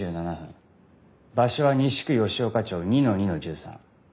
場所は西区吉岡町２の２の１３。